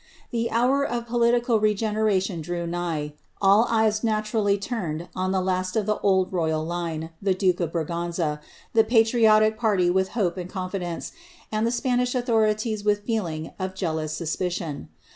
The hoar uf political regeneration drew nigh ; all eyes naturally turned on the last of the old royal line, the duke oT Braganza, the patriotic party with hope and confitlence, and the Spanish authorities with feelings of jealous sus picion.